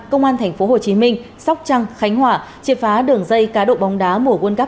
công an tp hcm sóc trăng khánh hòa triệt phá đường dây cá độ bóng đá mùa quân cắp hai nghìn hai mươi hai